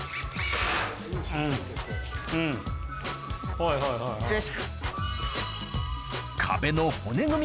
はいはいはいはい。